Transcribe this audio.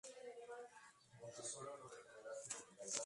La sede titular del arzobispo es la Catedral de Huancayo.